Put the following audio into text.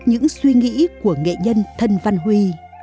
những suy nghĩ của nghệ nhân thân văn huy